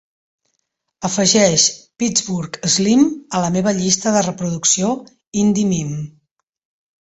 Afegeix Pittsburgh Slim a la meva llista de reproducció Indie Mim.